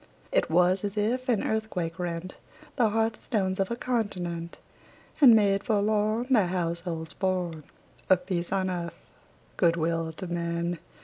It was as if an earthquake rent The hearth stones of a continent, And made forlorn The households born Of peace on earth, good will to men!